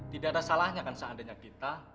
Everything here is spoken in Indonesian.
tidak ada salahnya kan seandainya kita